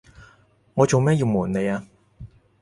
我做咩要暪你呀？